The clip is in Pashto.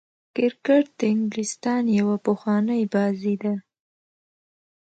کرکټ د انګلستان يوه پخوانۍ بازي ده.